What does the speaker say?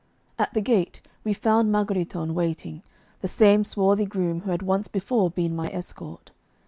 At the gate we found Margheritone waiting, the same swarthy groom who had once before been my escort.